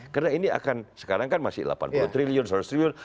karena ini akan sekarang kan masih delapan puluh triliun seratus triliun